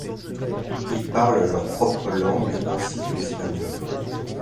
Ils parlent leur propre langue ainsi que l'espagnol.